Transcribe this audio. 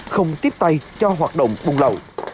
không tiếp tay cho hoạt động buôn lộ